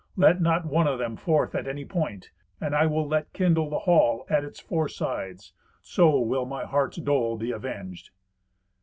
Let not one of them forth at any point, and I will let kindle the hall at its four sides. So will my heart's dole be avenged."